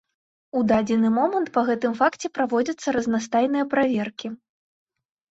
У дадзены момант па гэтым факце праводзяцца разнастайныя праверкі.